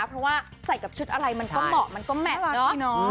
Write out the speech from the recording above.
เพราะว่าใส่กับชุดอะไรมันก็เหมาะมันก็แมทเนาะ